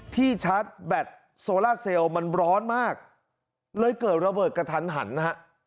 ชาร์จแบตโซล่าเซลล์มันร้อนมากเลยเกิดระเบิดกระทันหันนะฮะ